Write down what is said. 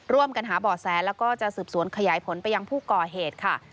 ร่วมกันหาบ่อแสแล้วก็จะสืบสวนขยายผลไปยังผู้ก่อเหตุค่ะ